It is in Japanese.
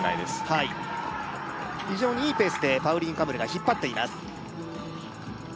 はい非常にいいペースでパウリン・カムルが引っ張っています